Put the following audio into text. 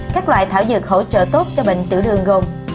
các loại thảo dược hỗ trợ tốt cho bệnh tiểu đường gồm